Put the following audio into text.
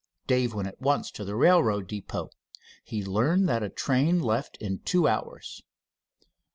Dave went at once to the railroad depot. He learned that a train left in two hours.